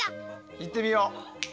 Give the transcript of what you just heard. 言ってみよう。